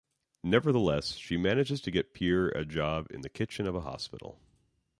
Nevertheless, she manages to get Pierre a job in the kitchen of a hospital.